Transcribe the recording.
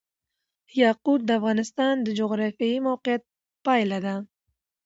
یاقوت د افغانستان د جغرافیایي موقیعت پایله ده.